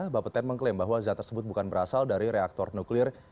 bapeten mengklaim bahwa zat tersebut bukan berasal dari reaktor nuklir